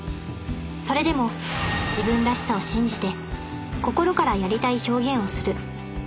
それでも自分らしさを信じて心からやりたい表現をする。